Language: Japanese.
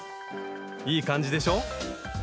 いい感じでしょ？